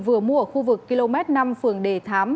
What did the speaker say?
vừa mua ở khu vực km năm phường đề thám